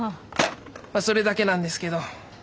まあそれだけなんですけど。